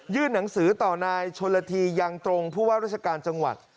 หนังสือต่อนายชนละทียังตรงผู้ว่าราชการจังหวัด